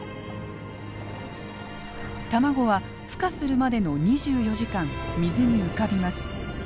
卵はふ化するまでの２４時間水に浮かびます。